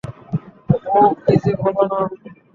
ও, কী যে বলো না।